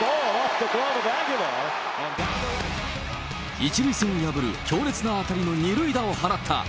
１塁線を破る強烈な当たりの２塁打を放った。